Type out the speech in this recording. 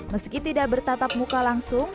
meski tidak bertatap muka langsung